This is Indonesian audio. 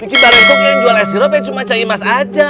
bikin barang kok yang jualan sirup cuma cik imas saja